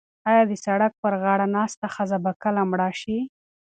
ایا د سړک پر غاړه ناسته ښځه به کله مړه شي؟